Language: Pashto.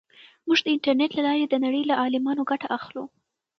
موږ د انټرنیټ له لارې د نړۍ له عالمانو ګټه اخلو.